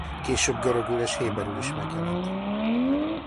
Később görögül és héberül is megjelent.